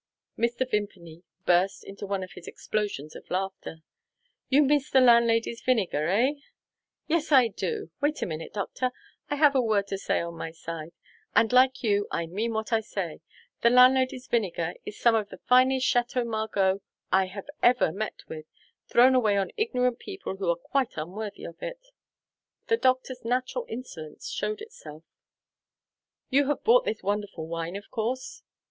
Mr. Vimpany burst into one of his explosions of laughter. "You miss the landlady's vinegar eh?" "Yes, I do! Wait a minute, doctor; I have a word to say on my side and, like you, I mean what I say. The landlady's vinegar is some of the finest Chateau Margaux I have ever met with thrown away on ignorant people who are quite unworthy of it." The doctor's natural insolence showed itself. "You have bought this wonderful wine, of course?"